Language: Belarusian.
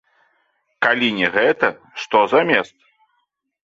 Калі не гэта, што замест?